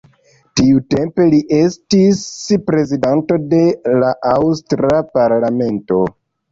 Tiutempe li estis prezidanto de la aŭstra parlamento.